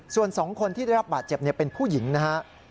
ส่วน๒คนที่ได้รับบาดเจ็บเป็นผู้หญิงนะครับ